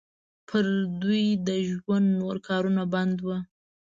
پر دوی د ژوند نور کارونه بند وو.